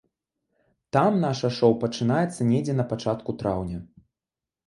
Там наша шоў пачынаецца недзе на пачатку траўня.